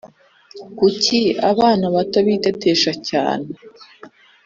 Kucyi abana bato bitetesha cyane?